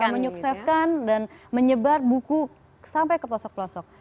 menyukseskan dan menyebar buku sampai ke pelosok pelosok